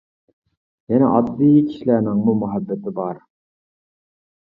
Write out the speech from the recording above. يەنە ئاددىي كىشىلەرنىڭمۇ مۇھەببىتى بار.